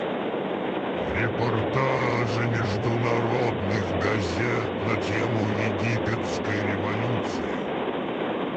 Репортажи международных газет на тему египетской революции.